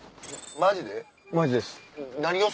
マジです。